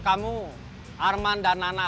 kampuks ptery award